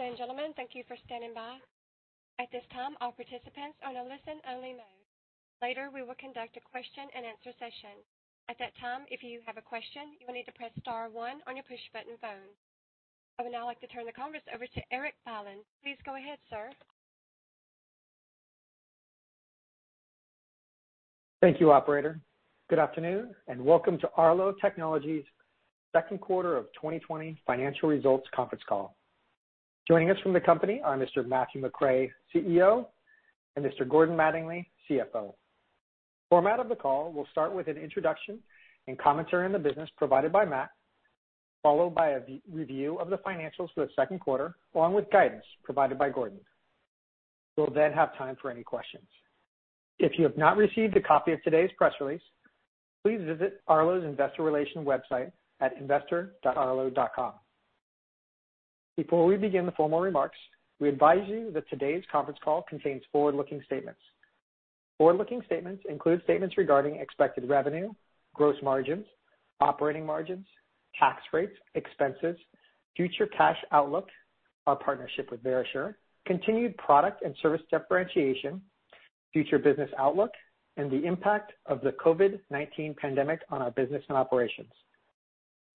I would now like to turn the conference over to Erik Bylin. Please go ahead, Sir. Thank you, operator. Good afternoon, welcome to Arlo Technologies' Second Quarter of 2020 Financial Results Conference Call. Joining us from the company are Mr. Matthew McRae, CEO, and Mr. Gordon Mattingly, CFO. Format of the call, we'll start with an introduction and commentary on the business provided by Matt, followed by a review of the financials for the second quarter, along with guidance provided by Gordon. We'll have time for any questions. If you have not received a copy of today's press release, please visit Arlo's investor relation website at investor.arlo.com. Before we begin the formal remarks, we advise you that today's conference call contains forward-looking statements. Forward-looking statements include statements regarding expected revenue, gross margins, operating margins, tax rates, expenses, future cash outlook, our partnership with Verisure, continued product and service differentiation, future business outlook, and the impact of the COVID-19 pandemic on our business and operations.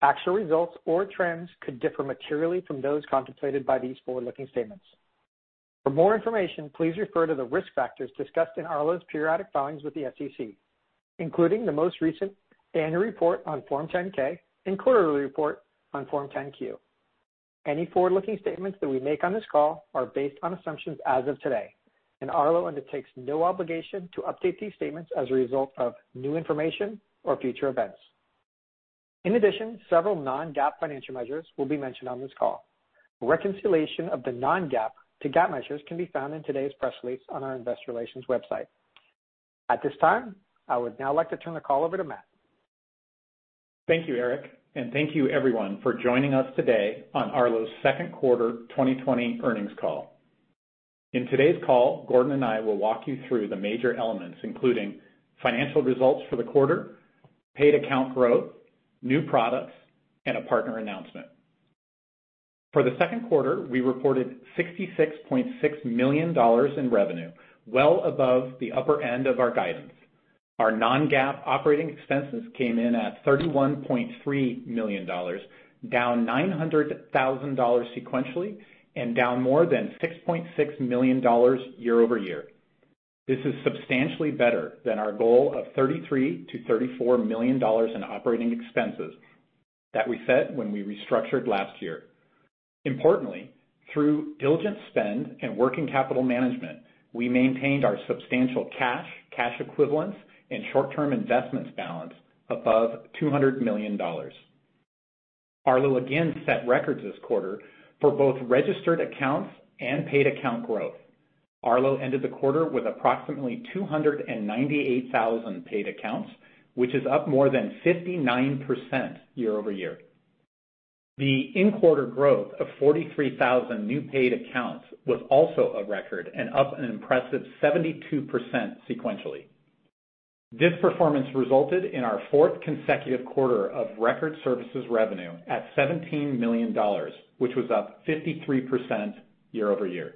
Actual results or trends could differ materially from those contemplated by these forward-looking statements. For more information, please refer to the risk factors discussed in Arlo's periodic filings with the SEC, including the most recent annual report on Form 10-K and quarterly report on Form 10-Q. Any forward-looking statements that we make on this call are based on assumptions as of today, and Arlo undertakes no obligation to update these statements as a result of new information or future events. In addition, several non-GAAP financial measures will be mentioned on this call. A reconciliation of the non-GAAP to GAAP measures can be found in today's press release on our investor relations website. At this time, I would now like to turn the call over to Matt. Thank you, Erik, and thank you everyone for joining us today on Arlo's Second Quarter 2020 Earnings Call. In today's call, Gordon and I will walk you through the major elements, including financial results for the quarter, paid account growth, new products, and a partner announcement. For the second quarter, we reported $66.6 million in revenue, well above the upper end of our guidance. Our non-GAAP operating expenses came in at $31.3 million, down $900,000 sequentially and down more than $6.6 million year-over-year. This is substantially better than our goal of $33 million-$34 million in operating expenses that we set when we restructured last year. Importantly, through diligent spend and working capital management, we maintained our substantial cash equivalents, and short-term investments balance above $200 million. Arlo again set records this quarter for both registered accounts and paid account growth. Arlo ended the quarter with approximately 298,000 paid accounts, which is up more than 59% year-over-year. The in-quarter growth of 43,000 new paid accounts was also a record and up an impressive 72% sequentially. This performance resulted in our fourth consecutive quarter of record services revenue at $17 million, which was up 53% year-over-year.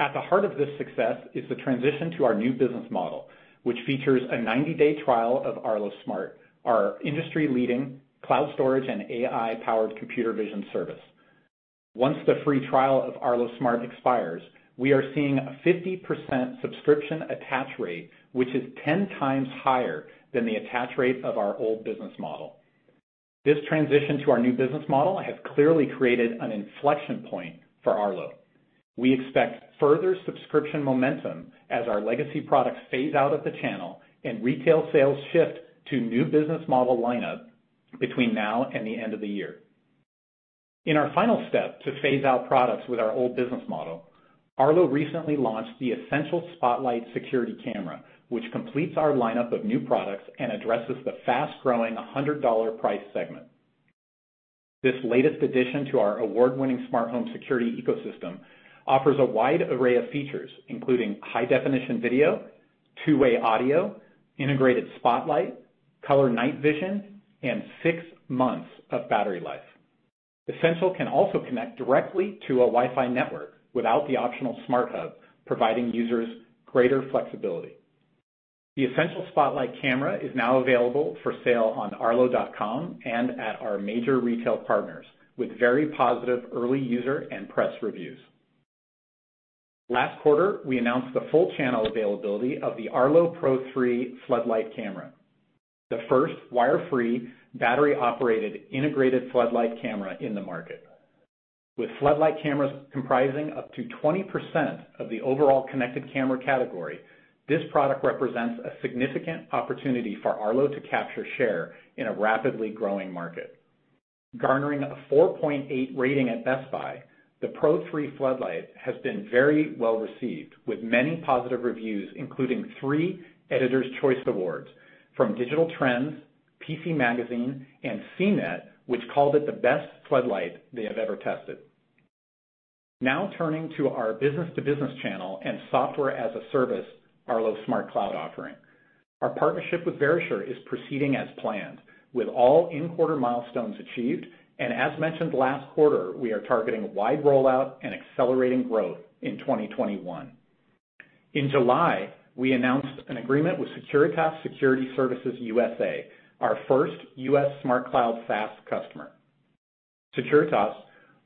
At the heart of this success is the transition to our new business model, which features a 90-day trial of Arlo Smart, our industry-leading cloud storage and AI-powered computer vision service. Once the free trial of Arlo Smart expires, we are seeing a 50% subscription attach rate, which is 10x higher than the attach rate of our old business model. This transition to our new business model has clearly created an inflection point for Arlo. We expect further subscription momentum as our legacy products phase out of the channel and retail sales shift to new business model lineup between now and the end of the year. In our final step to phase out products with our old business model, Arlo recently launched the Essential Spotlight security camera, which completes our lineup of new products and addresses the fast-growing $100 price segment. This latest addition to our award-winning smart home security ecosystem offers a wide array of features, including high-definition video, two-way audio, integrated spotlight, color night vision, and six months of battery life. Essential can also connect directly to a Wi-Fi network without the optional SmartHub, providing users greater flexibility. The Essential Spotlight camera is now available for sale on arlo.com and at our major retail partners, with very positive early user and press reviews. Last quarter, we announced the full channel availability of the Arlo Pro 3 Floodlight Camera, the first wire-free, battery-operated, integrated floodlight camera in the market. With floodlight cameras comprising up to 20% of the overall connected camera category, this product represents a significant opportunity for Arlo to capture share in a rapidly growing market. Garnering a 4.8 rating at Best Buy, the Pro 3 floodlight has been very well-received, with many positive reviews, including three Editor's Choice Awards from Digital Trends, PC Magazine, and CNET, which called it the best floodlight they have ever tested. Now turning to our business-to-business channel and software-as-a-service, Arlo SmartCloud offering. Our partnership with Verisure is proceeding as planned, with all in-quarter milestones achieved. As mentioned last quarter, we are targeting wide rollout and accelerating growth in 2021. In July, we announced an agreement with Securitas Security Services USA, our first U.S. SmartCloud SaaS customer. Securitas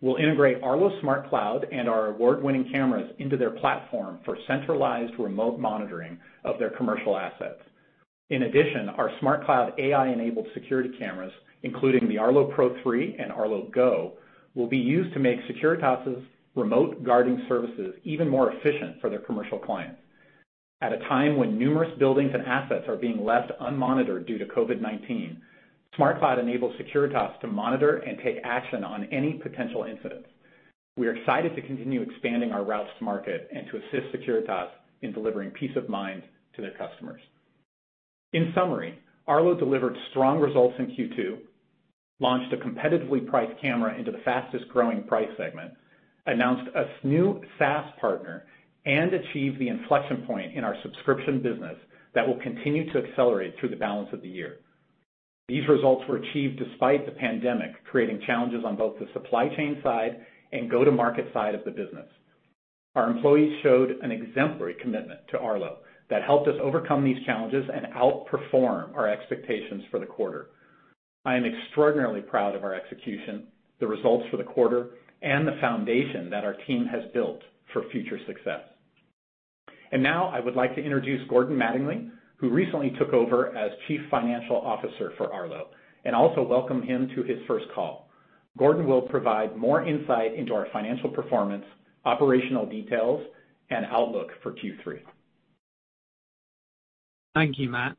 will integrate Arlo SmartCloud and our award-winning cameras into their platform for centralized remote monitoring of their commercial assets. In addition, our SmartCloud AI-enabled security cameras, including the Arlo Pro 3 and Arlo Go, will be used to make Securitas' Remote Guarding services even more efficient for their commercial clients. At a time when numerous buildings and assets are being left unmonitored due to COVID-19, SmartCloud enables Securitas to monitor and take action on any potential incidents. We are excited to continue expanding our routes to market and to assist Securitas in delivering peace of mind to their customers. In summary, Arlo delivered strong results in Q2, launched a competitively priced camera into the fastest-growing price segment, announced a new SaaS partner, and achieved the inflection point in our subscription business that will continue to accelerate through the balance of the year. These results were achieved despite the pandemic creating challenges on both the supply chain side and go-to-market side of the business. Our employees showed an exemplary commitment to Arlo that helped us overcome these challenges and outperform our expectations for the quarter. I am extraordinarily proud of our execution, the results for the quarter, and the foundation that our team has built for future success. Now I would like to introduce Gordon Mattingly, who recently took over as Chief Financial Officer for Arlo, and also welcome him to his first call. Gordon will provide more insight into our financial performance, operational details, and outlook for Q3. Thank you, Matt.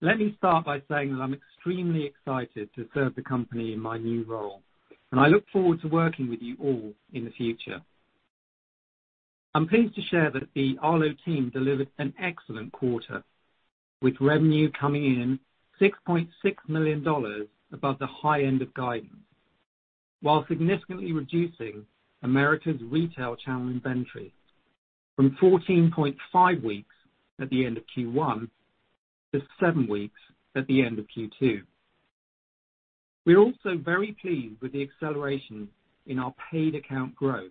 Let me start by saying that I'm extremely excited to serve the company in my new role, and I look forward to working with you all in the future. I'm pleased to share that the Arlo team delivered an excellent quarter, with revenue coming in $6.6 million above the high end of guidance, while significantly reducing Americas retail channel inventory from 14.5 weeks at the end of Q1 to seven weeks at the end of Q2. We're also very pleased with the acceleration in our paid account growth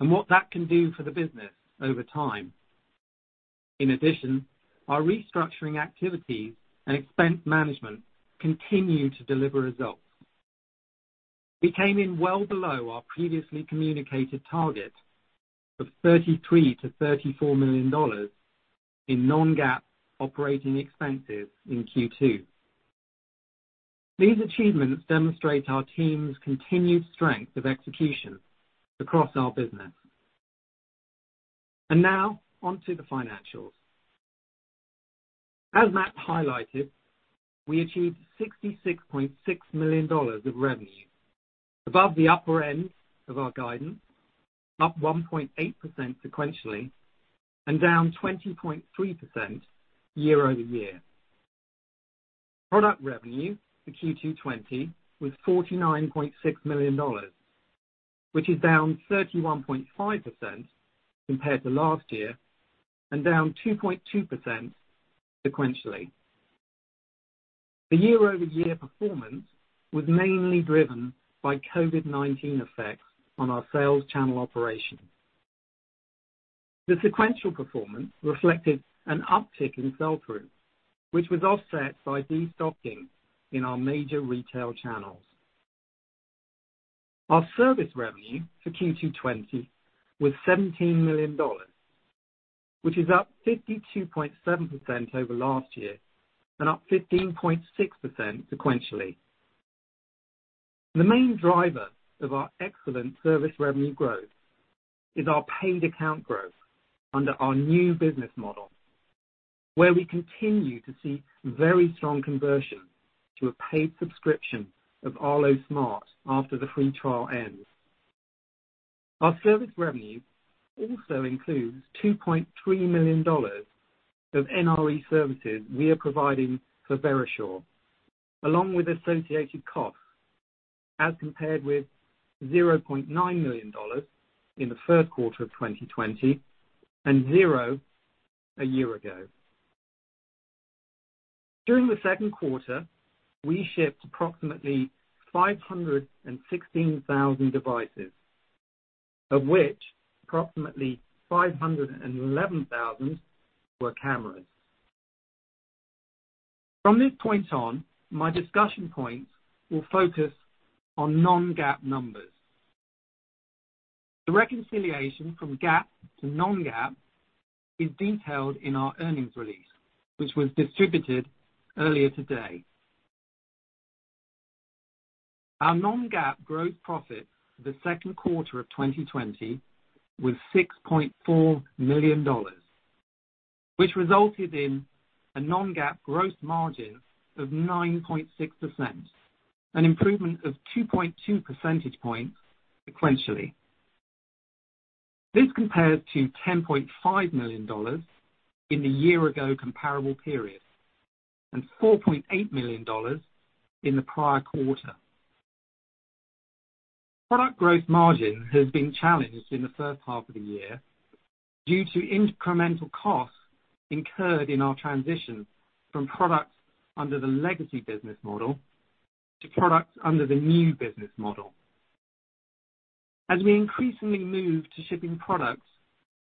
and what that can do for the business over time. In addition, our restructuring activities and expense management continue to deliver results. We came in well below our previously communicated target of $33 million-$34 million in non-GAAP operating expenses in Q2. These achievements demonstrate our team's continued strength of execution across our business. Now, on to the financials. As Matt highlighted, we achieved $66.6 million of revenue, above the upper end of our guidance, up 1.8% sequentially, down 20.3% year-over-year. Product revenue for Q2 2020 was $49.6 million, which is down 31.5% compared to last year, down 2.2% sequentially. The year-over-year performance was mainly driven by COVID-19 effects on our sales channel operations. The sequential performance reflected an uptick in sell-through, which was offset by de-stocking in our major retail channels. Our service revenue for Q2 2020 was $17 million, which is up 52.7% over last year, up 15.6% sequentially. The main driver of our excellent service revenue growth is our paid account growth under our new business model, where we continue to see very strong conversion to a paid subscription of Arlo Smart after the free trial ends. Our service revenue also includes $2.3 million of NRE services we are providing for Verisure, along with associated costs, as compared with $0.9 million in the first quarter of 2020 and zero a year ago. During the second quarter, we shipped approximately 516,000 devices, of which approximately 511,000 were cameras. From this point on, my discussion points will focus on non-GAAP numbers. The reconciliation from GAAP to non-GAAP is detailed in our earnings release, which was distributed earlier today. Our non-GAAP gross profit for the second quarter of 2020 was $6.4 million, which resulted in a non-GAAP gross margin of 9.6%, an improvement of 2.2 percentage points sequentially. This compares to $10.5 million in the year-ago comparable period, and $4.8 million in the prior quarter. Product gross margin has been challenged in the first half of the year due to incremental costs incurred in our transition from products under the legacy business model to products under the new business model. As we increasingly move to shipping products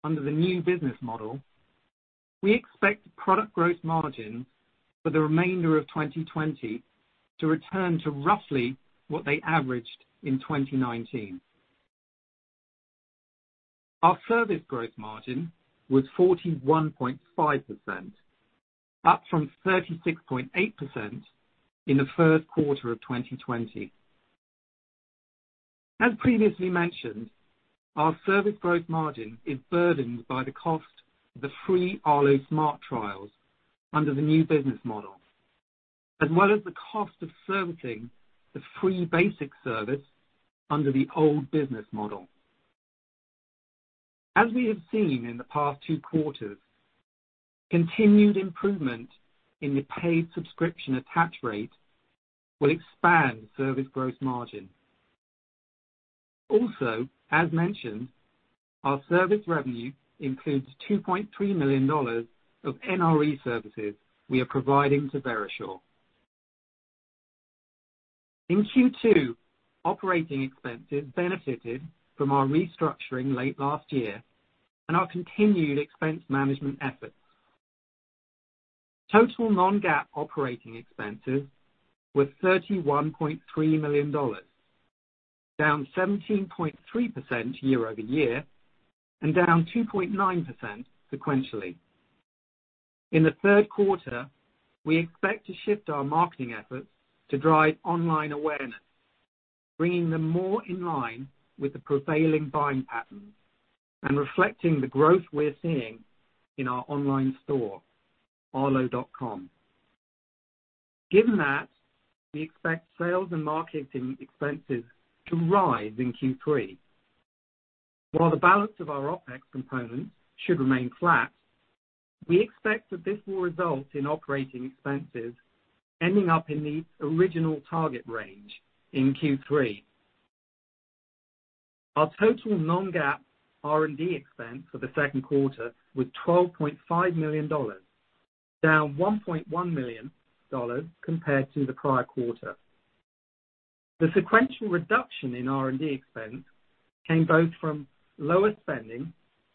under the new business model, we expect product gross margin for the remainder of 2020 to return to roughly what they averaged in 2019. Our service gross margin was 41.5%, up from 36.8% in the first quarter of 2020. As previously mentioned, our service gross margin is burdened by the cost of the free Arlo Smart trials under the new business model, as well as the cost of servicing the free basic service under the old business model. As we have seen in the past two quarters, continued improvement in the paid subscription attach rate will expand service gross margin. As mentioned, our service revenue includes $2.3 million of NRE services we are providing to Verisure. In Q2, operating expenses benefited from our restructuring late last year and our continued expense management efforts. Total non-GAAP operating expenses were $31.3 million, down 17.3% year-over-year, and down 2.9% sequentially. In the third quarter, we expect to shift our marketing efforts to drive online awareness, bringing them more in line with the prevailing buying patterns and reflecting the growth we're seeing in our online store, arlo.com. Given that, we expect sales and marketing expenses to rise in Q3. While the balance of our OPEX components should remain flat, we expect that this will result in operating expenses ending up in the original target range in Q3. Our total non-GAAP R&D expense for the second quarter was $12.5 million, down $1.1 million compared to the prior quarter. The sequential reduction in R&D expense came both from lower spending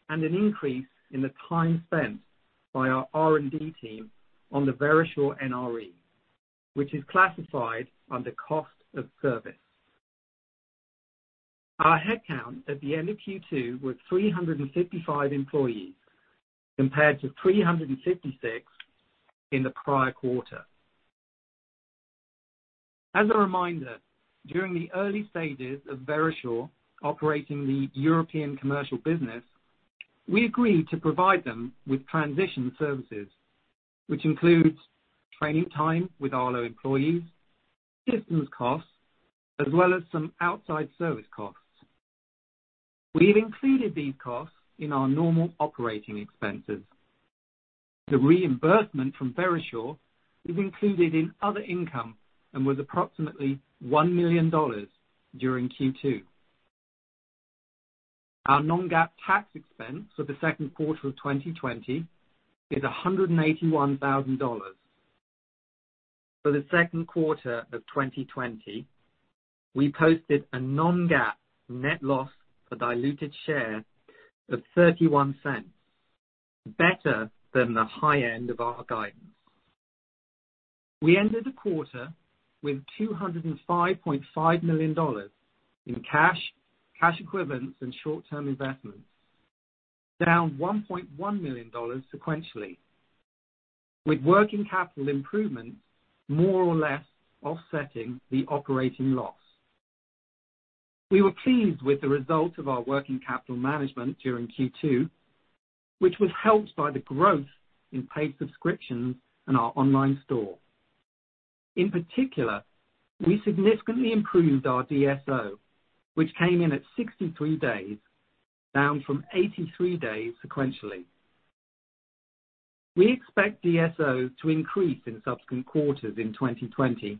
and an increase in the time spent by our R&D team on the Verisure NRE, which is classified under cost of service. Our headcount at the end of Q2 was 355 employees, compared to 356 in the prior quarter. As a reminder, during the early stages of Verisure operating the European commercial business, we agreed to provide them with transition services, which includes training time with Arlo employees, systems costs, as well as some outside service costs. We've included these costs in our normal operating expenses. The reimbursement from Verisure is included in other income, and was approximately $1 million during Q2. Our non-GAAP tax expense for the second quarter of 2020 is $181,000. For the second quarter of 2020, we posted a non-GAAP net loss per diluted share of $0.31, better than the high end of our guidance. We ended the quarter with $205.5 million in cash equivalents, and short-term investments, down $1.1 million sequentially, with working capital improvements more or less offsetting the operating loss. We were pleased with the result of our working capital management during Q2, which was helped by the growth in paid subscriptions in our online store. In particular, we significantly improved our DSO, which came in at 63 days, down from 83 days sequentially. We expect DSO to increase in subsequent quarters in 2020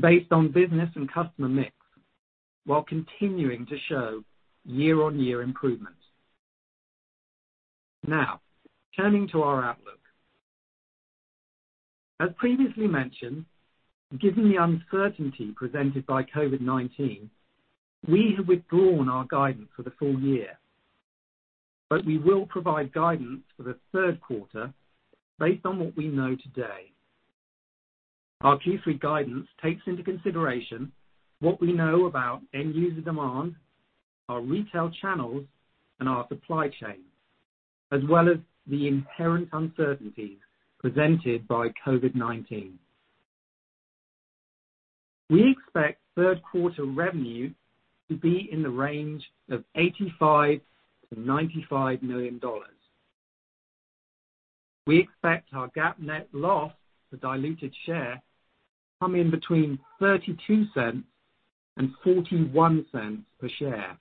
based on business and customer mix, while continuing to show year-on-year improvements. Now, turning to our outlook. As previously mentioned, given the uncertainty presented by COVID-19, we have withdrawn our guidance for the full year. We will provide guidance for the third quarter based on what we know today. Our Q3 guidance takes into consideration what we know about end user demand, our retail channels, and our supply chain, as well as the inherent uncertainties presented by COVID-19. We expect third quarter revenue to be in the range of $85 million-$95 million. We expect our GAAP net loss per diluted share to come in between $0.32 and $0.41 per share,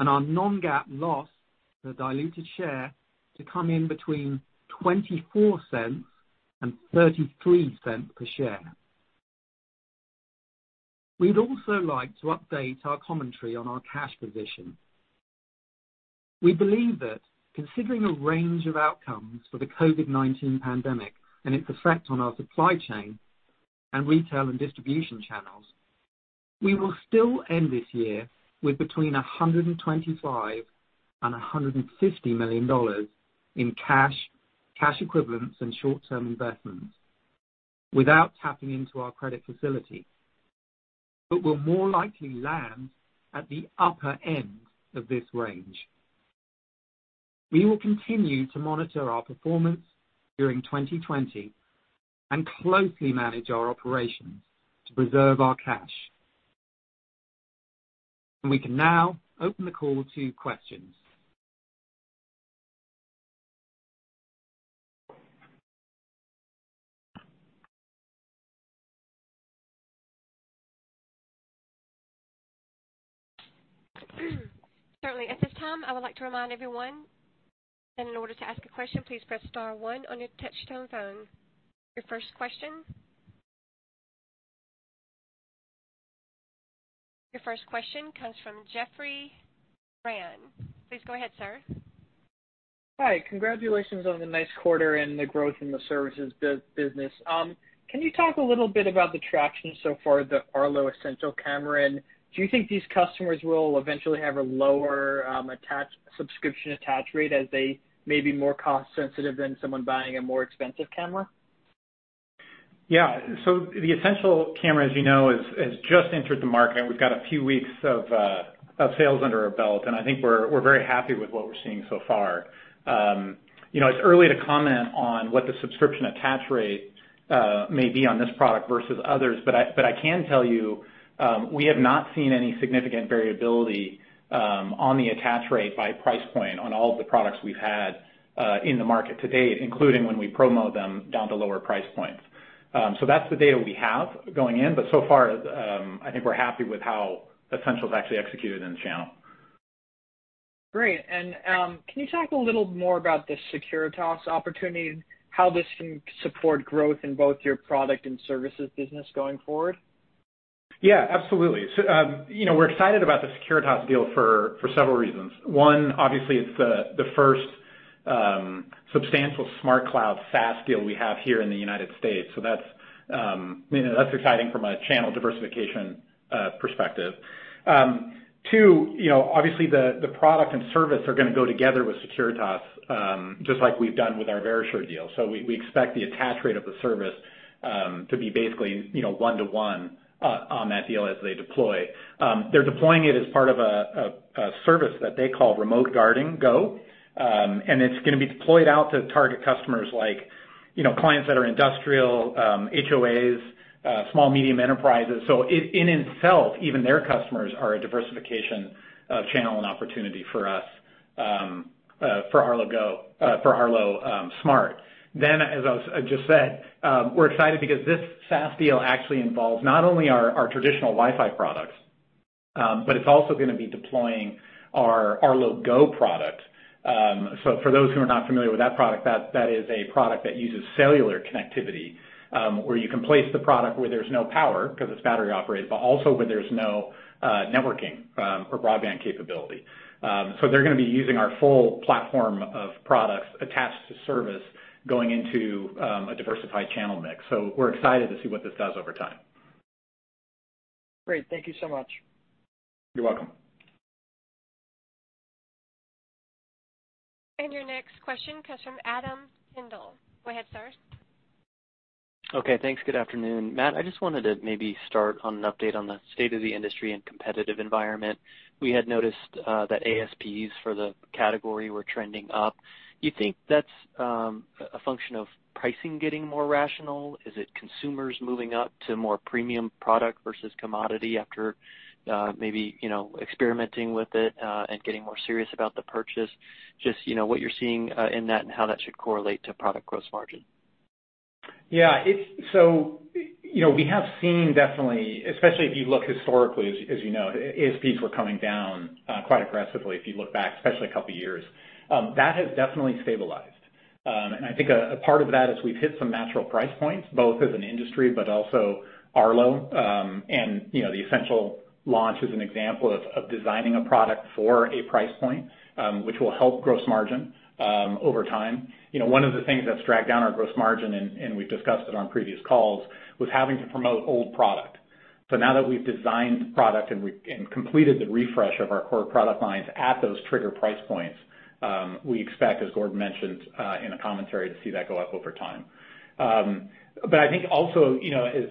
and our non-GAAP loss per diluted share to come in between $0.24 and $0.33 per share. We'd also like to update our commentary on our cash position. We believe that considering a range of outcomes for the COVID-19 pandemic and its effect on our supply chain and retail and distribution channels, we will still end this year with between $125 million and $150 million in cash equivalents, and short-term investments without tapping into our credit facility. We'll more likely land at the upper end of this range. We will continue to monitor our performance during 2020 and closely manage our operations to preserve our cash. We can now open the call to questions. Certainly. At this time, I would like to remind everyone that in order to ask a question, please press star one on your touch-tone phone. Your first question comes from Jeffrey Rand. Please go ahead, Sir. Hi. Congratulations on the nice quarter and the growth in the services business. Can you talk a little bit about the traction so far, the Arlo Essential camera, and do you think these customers will eventually have a lower subscription attach rate as they may be more cost sensitive than someone buying a more expensive camera? The Essential camera, as you know, has just entered the market, and we've got a few weeks of sales under our belt, and I think we're very happy with what we're seeing so far. It's early to comment on what the subscription attach rate may be on this product versus others, but I can tell you, we have not seen any significant variability on the attach rate by price point on all of the products we've had in the market to date, including when we promo them down to lower price points. That's the data we have going in, but so far, I think we're happy with how Essential's actually executed in the channel. Great. Can you talk a little more about the Securitas opportunity, how this can support growth in both your product and services business going forward? Absolutely. We're excited about the Securitas deal for several reasons. One, it's the first substantial SmartCloud SaaS deal we have here in the U.S., that's exciting from a channel diversification perspective. Two, the product and service are going to go together with Securitas, just like we've done with our Verisure deal. We expect the attach rate of the service to be basically one to one on that deal as they deploy. They're deploying it as part of a service that they call Remote Guarding Go, it's going to be deployed out to target customers like clients that are industrial, HOAs, small-medium enterprises. In itself, even their customers are a diversification of channel and opportunity for us, for Arlo Smart. As I just said, we're excited because this SaaS deal actually involves not only our traditional Wi-Fi products, but it's also going to be deploying our Arlo Go product. For those who are not familiar with that product, that is a product that uses cellular connectivity, where you can place the product where there's no power, because it's battery operated, but also where there's no networking or broadband capability. They're going to be using our full platform of products attached to service going into a diversified channel mix. We're excited to see what this does over time. Great. Thank you so much. You're welcome. Your next question comes from Adam Tindle. Go ahead, Sir. Okay, thanks. Good afternoon. Matt, I just wanted to maybe start on an update on the state of the industry and competitive environment. We had noticed that ASPs for the category were trending up. Do you think that's a function of pricing getting more rational? Is it consumers moving up to more premium product versus commodity after maybe experimenting with it and getting more serious about the purchase? Just, what you're seeing in that and how that should correlate to product gross margin. Yeah. We have seen definitely, especially if you look historically, as you know, ASPs were coming down quite aggressively if you look back, especially a couple of years. That has definitely stabilized. I think a part of that is we've hit some natural price points, both as an industry, but also Arlo. The Essential launch is an example of designing a product for a price point, which will help gross margin over time. One of the things that's dragged down our gross margin, and we've discussed it on previous calls, was having to promote old product. Now that we've designed product and completed the refresh of our core product lines at those trigger price points, we expect, as Gordon mentioned in the commentary, to see that go up over time. I think also,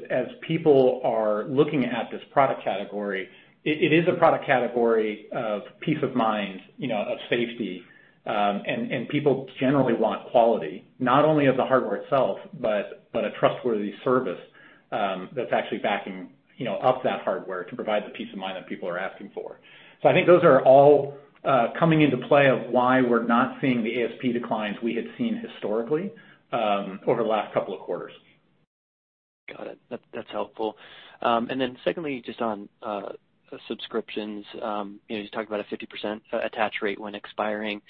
as people are looking at this product category, it is a product category of peace of mind, of safety, and people generally want quality, not only of the hardware itself, but a trustworthy service. That's actually backing up that hardware to provide the peace of mind that people are asking for. I think those are all coming into play of why we're not seeing the ASP declines we had seen historically over the last couple of quarters. Got it. That's helpful. Secondly, just on subscriptions. You talked about a 50% attach rate when expiring.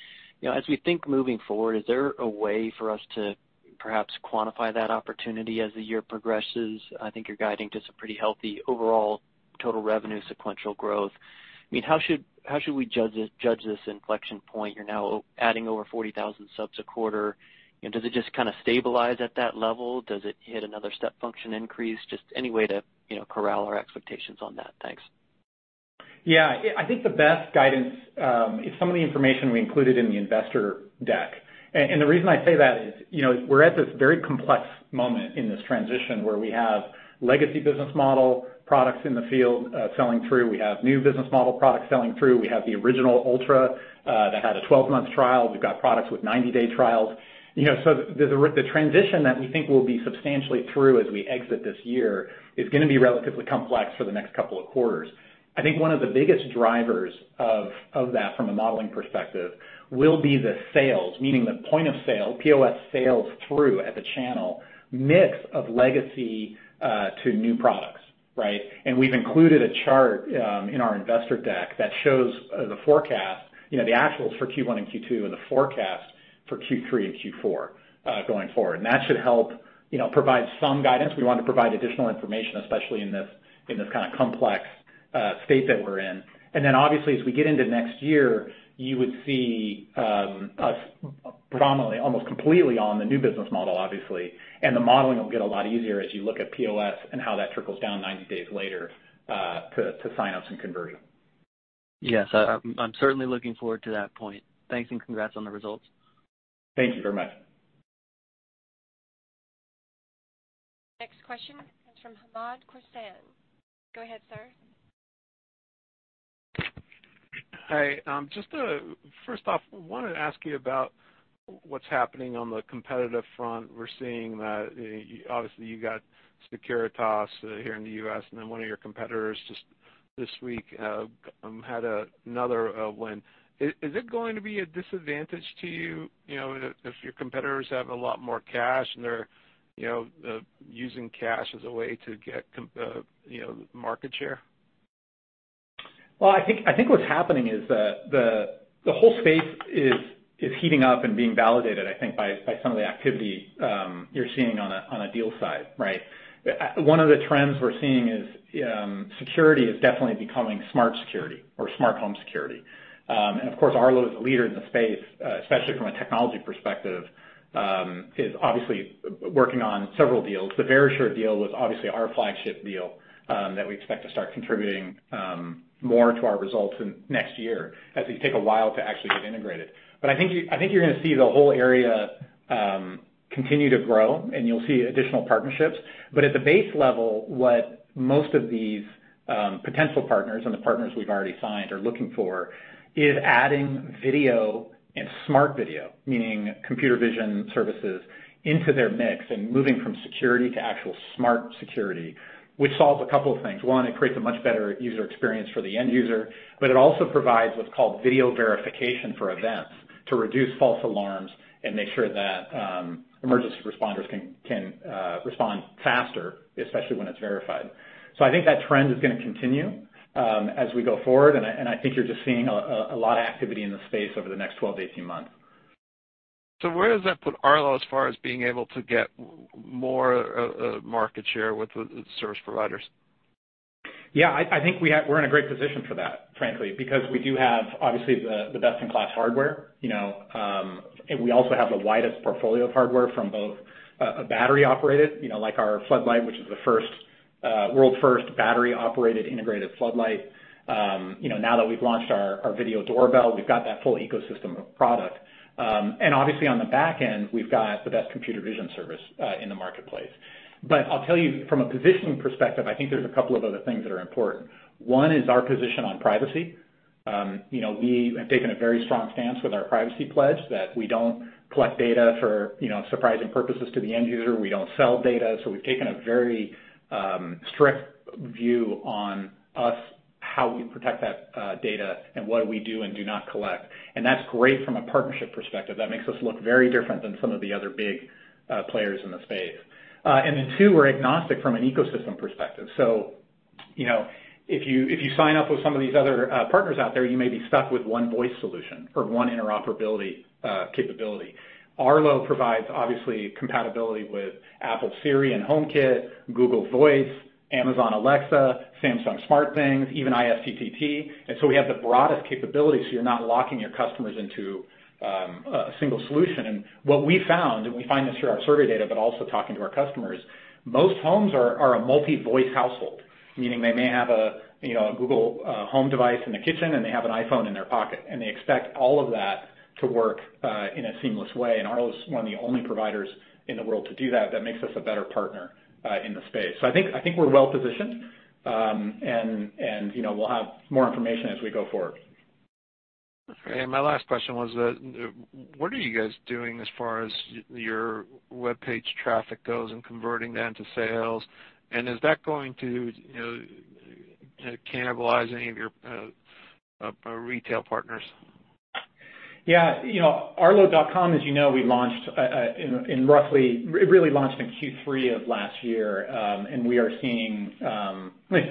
As we think moving forward, is there a way for us to perhaps quantify that opportunity as the year progresses? I think you're guiding to some pretty healthy overall total revenue sequential growth. How should we judge this inflection point? You're now adding over 40,000 subs a quarter. Does it just stabilize at that level? Does it hit another step function increase? Any way to corral our expectations on that. Thanks. I think the best guidance is some of the information we included in the investor deck. The reason I say that is, we're at this very complex moment in this transition where we have legacy business model products in the field selling through. We have new business model products selling through. We have the original Ultra that had a 12-month trial. We've got products with 90-day trials. The transition that we think will be substantially through as we exit this year is going to be relatively complex for the next couple of quarters. I think one of the biggest drivers of that from a modeling perspective will be the sales, meaning the point of sale, POS sales through at the channel mix of legacy to new products. Right? We've included a chart in our investor deck that shows the forecast, the actuals for Q1 and Q2 and the forecast for Q3 and Q4 going forward. That should help provide some guidance. We want to provide additional information, especially in this kind of complex state that we're in. Obviously, as we get into next year, you would see us predominantly almost completely on the new business model, obviously. The modeling will get a lot easier as you look at POS and how that trickles down 90 days later to sign-ups and conversion. Yes. I'm certainly looking forward to that point. Thanks and congrats on the results. Thank you very much. Next question comes from Hamed Khorsand. Go ahead, Sir. Hi. Just first off, wanted to ask you about what's happening on the competitive front. We're seeing that obviously you got Securitas here in the U.S. and then one of your competitors just this week had another win. Is it going to be a disadvantage to you, if your competitors have a lot more cash and they're using cash as a way to get market share? Well, I think what's happening is the whole space is heating up and being validated, I think, by some of the activity you're seeing on a deal side, right? One of the trends we're seeing is security is definitely becoming smart security or smart home security. Of course, Arlo is a leader in the space, especially from a technology perspective, is obviously working on several deals. The Verisure deal was obviously our flagship deal that we expect to start contributing more to our results in next year, as they take a while to actually get integrated. I think you're going to see the whole area continue to grow, and you'll see additional partnerships. At the base level, what most of these potential partners and the partners we've already signed are looking for is adding video and smart video, meaning computer vision services into their mix and moving from security to actual smart security, which solves a couple of things. One, it creates a much better user experience for the end user. It also provides what's called video verification for events to reduce false alarms and make sure that emergency responders can respond faster, especially when it's verified. I think that trend is going to continue as we go forward, and I think you're just seeing a lot of activity in the space over the next 12-18 months. Where does that put Arlo as far as being able to get more market share with the service providers? I think we're in a great position for that, frankly, because we do have, obviously, the best-in-class hardware. We also have the widest portfolio of hardware from both a battery-operated, like our floodlight, which is the world's first battery-operated integrated floodlight. Now that we've launched our video doorbell, we've got that full ecosystem of product. Obviously on the back end, we've got the best computer vision service in the marketplace. I'll tell you from a positioning perspective, I think there's a couple of other things that are important. One is our position on privacy. We have taken a very strong stance with our privacy pledge that we don't collect data for surprising purposes to the end user. We don't sell data. We've taken a very strict view on us, how we protect that data and what we do and do not collect. That's great from a partnership perspective. That makes us look very different than some of the other big players in the space. Then two, we're agnostic from an ecosystem perspective. If you sign up with some of these other partners out there, you may be stuck with one voice solution or one interoperability capability. Arlo provides obviously compatibility with Apple Siri and HomeKit, Google Assistant, Amazon Alexa, Samsung SmartThings, even IFTTT. We have the broadest capability, so you're not locking your customers into a single solution. What we found, and we find this through our survey data, but also talking to our customers, most homes are a multi-voice household, meaning they may have a Google Home device in the kitchen, and they have an iPhone in their pocket, and they expect all of that to work in a seamless way. Arlo's one of the only providers in the world to do that. That makes us a better partner in the space. I think we're well positioned, and we'll have more information as we go forward. My last question was, what are you guys doing as far as your webpage traffic goes and converting that into sales? Is that going to cannibalize any of your retail partners? arlo.com, as you know, it really launched in Q3 of last year.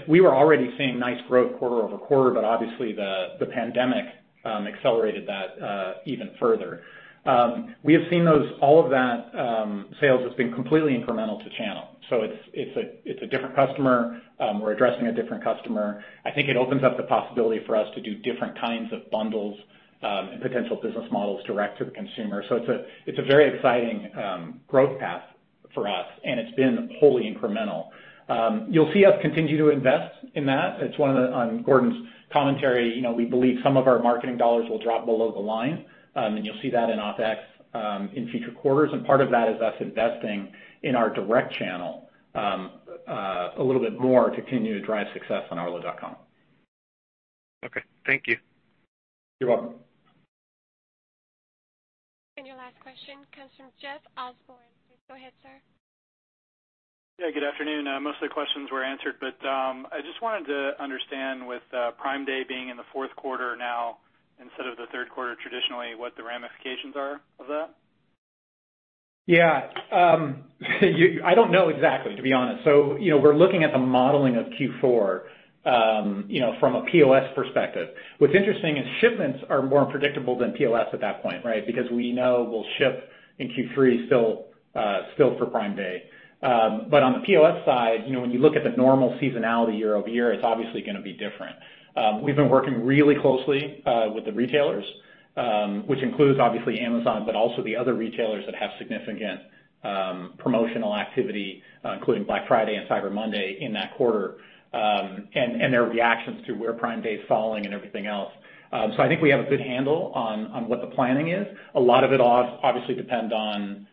We were already seeing nice growth quarter-over-quarter, obviously the pandemic accelerated that even further. We have seen all of that sales has been completely incremental to channel. It's a different customer. We're addressing a different customer. I think it opens up the possibility for us to do different kinds of bundles and potential business models direct to the consumer. It's a very exciting growth path for us, and it's been wholly incremental. You'll see us continue to invest in that. On Gordon's commentary, we believe some of our marketing dollars will drop below the line. You'll see that in OpEx, in future quarters. Part of that is us investing in our direct channel, a little bit more to continue to drive success on arlo.com. Okay. Thank you. You're welcome. Your last question comes from Jeff Osborne. Please go ahead, Sir. Yeah, good afternoon. Most of the questions were answered, but I just wanted to understand with Prime Day being in the fourth quarter now instead of the third quarter traditionally, what the ramifications are of that? Yeah. I don't know exactly, to be honest. We're looking at the modeling of Q4 from a POS perspective. What's interesting is shipments are more predictable than POS at that point, right? Because we know we'll ship in Q3 still for Prime Day. On the POS side, when you look at the normal seasonality year-over-year, it's obviously going to be different. We've been working really closely with the retailers, which includes obviously Amazon, but also the other retailers that have significant promotional activity, including Black Friday and Cyber Monday in that quarter, and their reactions to where Prime Day is falling and everything else. I think we have a good handle on what the planning is. A lot of it obviously depends on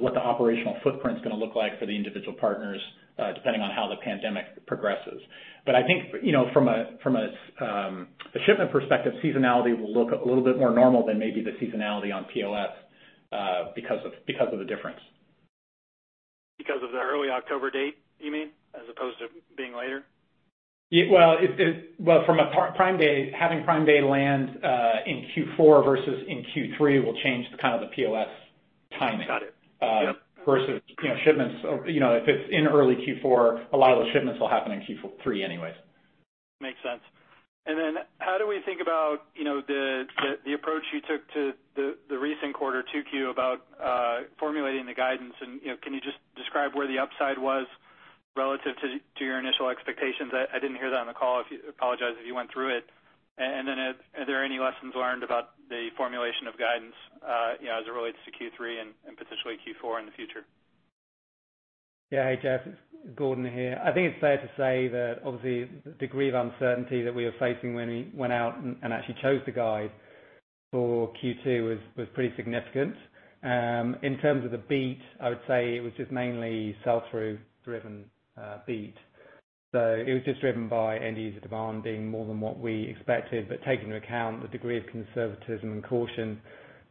what the operational footprint's going to look like for the individual partners, depending on how the pandemic progresses. I think, from a shipment perspective, seasonality will look a little bit more normal than maybe the seasonality on POS, because of the difference. Because of the early October date, you mean, as opposed to being later? Well, having Prime Day land in Q4 versus in Q3 will change the POS timing. Got it. Yep. Shipments, if it's in early Q4, a lot of those shipments will happen in Q3 anyways. Makes sense. How do we think about the approach you took to the recent quarter, 2Q, about formulating the guidance and can you just describe where the upside was relative to your initial expectations? I didn't hear that on the call. I apologize if you went through it. Are there any lessons learned about the formulation of guidance as it relates to Q3 and potentially Q4 in the future? Yeah. Hey, Jeff, it's Gordon here. I think it's fair to say that obviously the degree of uncertainty that we were facing when we went out and actually chose the guide for Q2 was pretty significant. In terms of the beat, I would say it was just mainly sell-through driven beat. It was just driven by end user demand being more than what we expected. Taking into account the degree of conservatism and caution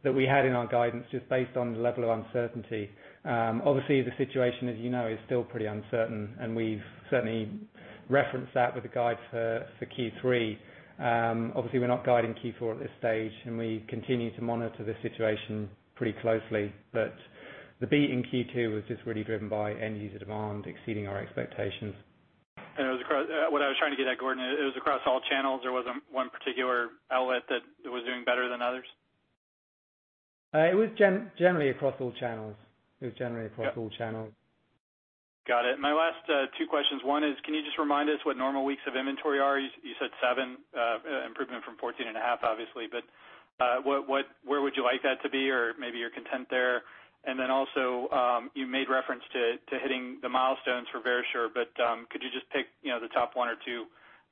that we had in our guidance, just based on the level of uncertainty. Obviously, the situation, as you know, is still pretty uncertain, and we've certainly referenced that with the guide for Q3. Obviously, we're not guiding Q4 at this stage, and we continue to monitor the situation pretty closely. The beat in Q2 was just really driven by end user demand exceeding our expectations. What I was trying to get at, Gordon, it was across all channels. There wasn't one particular outlet that was doing better than others? It was generally across all channels. Got it. My last two questions. One is, can you just remind us what normal weeks of inventory are? You said seven, improvement from 14.5, obviously. Where would you like that to be? Or maybe you're content there. Also, you made reference to hitting the milestones for Verisure, but, could you just pick the top one or two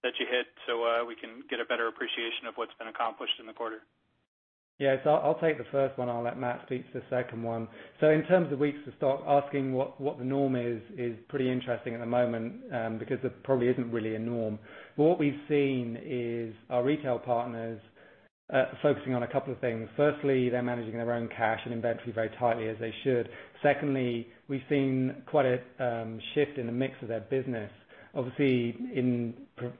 that you hit so we can get a better appreciation of what's been accomplished in the quarter? Yeah. I'll take the first one. I'll let Matt speak to the second one. In terms of weeks to stock, asking what the norm is pretty interesting at the moment, because there probably isn't really a norm. What we've seen is our retail partners focusing on a couple of things. Firstly, they're managing their own cash and inventory very tightly, as they should. Secondly, we've seen quite a shift in the mix of their business. Obviously,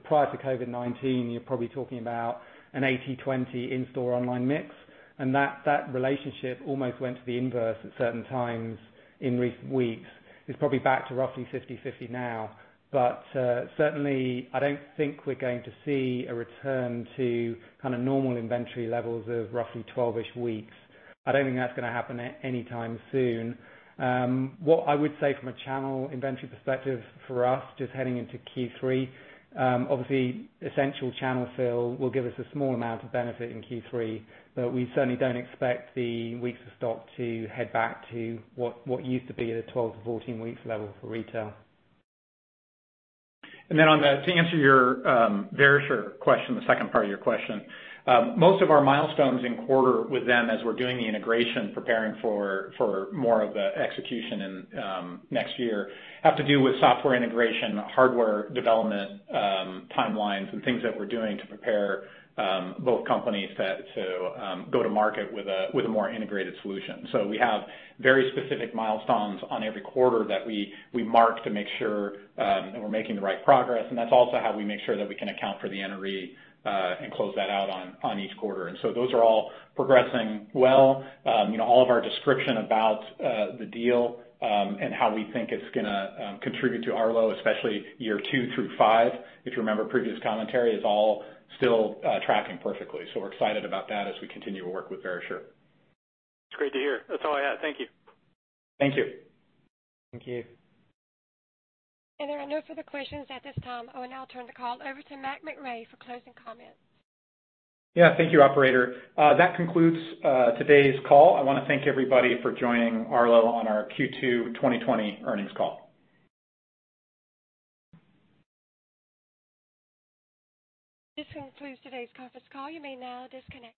prior to COVID-19, you're probably talking about an 80/20 in-store online mix, and that relationship almost went to the inverse at certain times in recent weeks. It's probably back to roughly 50/50 now. Certainly, I don't think we're going to see a return to kind of normal inventory levels of roughly 12-ish weeks. I don't think that's going to happen anytime soon. What I would say from a channel inventory perspective for us, just heading into Q3, obviously Essential channel fill will give us a small amount of benefit in Q3, but we certainly don't expect the weeks of stock to head back to what used to be a 12-14 weeks level for retail. To answer your Verisure question, the second part of your question. Most of our milestones in quarter with them as we're doing the integration, preparing for more of the execution in next year, have to do with software integration, hardware development, timelines, and things that we're doing to prepare both companies to go to market with a more integrated solution. We have very specific milestones on every quarter that we mark to make sure that we're making the right progress. That's also how we make sure that we can account for the NRE, and close that out on each quarter. Those are all progressing well. All of our description about the deal, and how we think it's going to contribute to Arlo, especially year two through five, if you remember previous commentary, is all still tracking perfectly. We're excited about that as we continue to work with Verisure. It's great to hear. That's all I had. Thank you. Thank you. Thank you. There are no further questions at this time. I will now turn the call over to Matt McRae for closing comments. Thank you, Operator. That concludes today's call. I want to thank everybody for joining Arlo on our Q2 2020 earnings call. This concludes today's conference call. You may now disconnect.